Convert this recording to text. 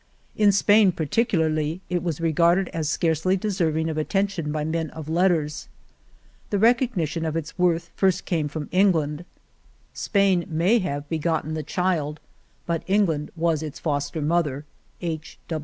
In Spain, particularly, it was regarded as scarcely deserving of attention by men of letters. The recognition of its worth first came from England. Spain may have be gotten the child, but England was its foster mother" (H.